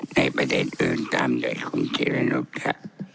ในประเด็นอื่นตามเลยคุณจิรนุษย์ค่ะ